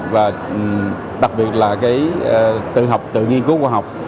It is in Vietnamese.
và đặc biệt là cái tự học tự nghiên cứu khoa học